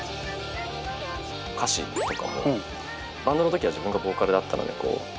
歌詞とかもバンドの時は自分がボーカルだったのでこう